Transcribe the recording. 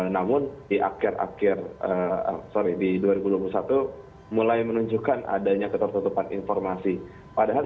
namun di akhir akhir sorry di dua ribu dua puluh satu mulai menunjukkan adanya ketertutupan informasi padahal